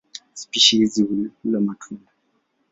Spishi hizi hula matunda.